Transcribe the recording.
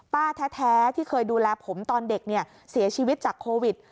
ป้าแท้ที่เคยดูแลผมตอนเด็กเนี่ยเสียชีวิตจากโควิด